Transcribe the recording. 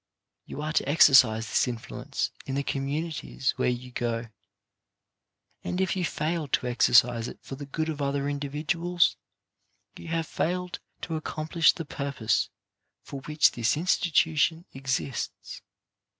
You are to ex ercise this influence in the communities where you go; and if you fail to exercise it for the good of other individuals, you have failed to accomplish the purpose for which this institution exists.